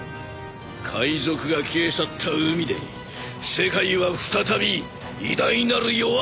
海賊が消え去った海で世界は再び偉大なる夜明けを迎えるのだ。